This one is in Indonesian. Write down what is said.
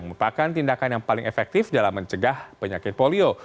merupakan tindakan yang paling efektif dalam mencegah penyakit polio